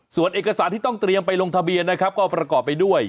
ส่วนเอกสารที่ต้องเตรียมไปลงทะเบียนนะครับก็ประกอบไปด้วย